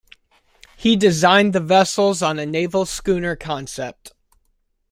He designed the vessels on a naval schooner concept.